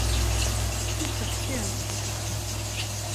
Ifeɣ-kem.